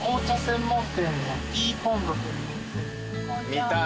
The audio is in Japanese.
見たい。